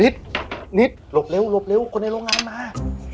นิดนิดหลบเร็วหลบเร็วคนในโรงงานมา